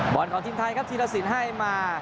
บอลของทีมไทยครับทีมละศิลป์ให้มา